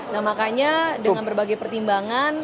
nah makanya dengan berbagai pertimbangan